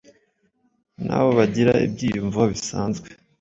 nabo bagira ibyiyumvo bisanzwe